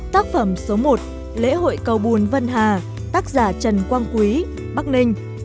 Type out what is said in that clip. tác phẩm số một lễ hội cầu bùn vân hà tác giả trần quang quý bắc ninh